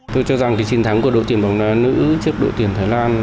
tôi cho rằng chiến thắng của đội tuyển bóng đá nữ trước đội tuyển thái lan